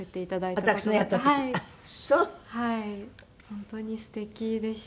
本当にすてきでした。